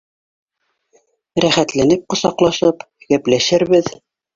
Рәхәтләнеп ҡосаҡлашып, гәпләшербеҙ